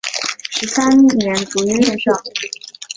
十三年卒于任上。